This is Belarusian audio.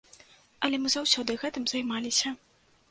Але мы заўсёды гэтым займаліся.